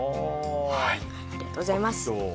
ありがとうございます。